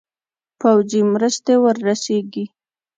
پوځي مرستي ورسیږي.